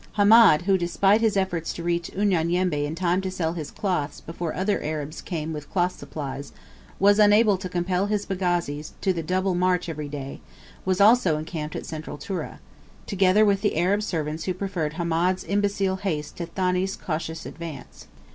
Hamed, who, despite his efforts to reach Unyanyembe in time to sell his cloths before other Arabs came with cloth supplies, was unable to compel his pagazis to the double march every day, was also encamped at Central Tura, together with the Arab servants who preferred Hamed's imbecile haste to Thani's cautious advance.